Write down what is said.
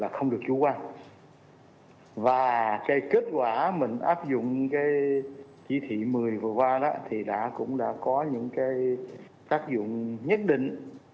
chính là chủ đề của chí thị một mươi của ubnd tp hcm là không được chủ quan và kết quả áp dụng chí thị một mươi vừa qua đã có những tác dụng nhất định